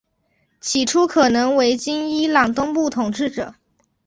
起初可能为今伊朗东部统治者。